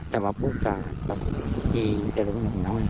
แต่พูดจากกลีเดียวกับน้องน้อง